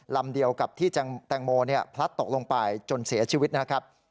ลำเดียวกับที่แตงโมพลัดตกลงไปจนเสียชีวิตนะครับ